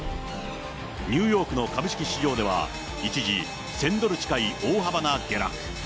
ニューヨークの株式市場では、一時１０００ドル近い大幅な下落。